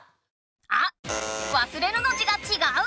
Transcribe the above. あっ「忘れる」の字がちがう！